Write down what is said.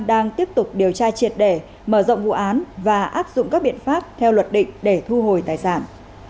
đang tiếp tục điều tra triệt để mở rộng vụ án và áp dụng các biện pháp theo luật định để thu hồi tài sản